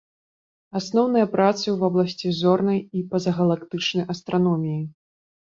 Асноўныя працы ў вобласці зорнай і пазагалактычнай астраноміі.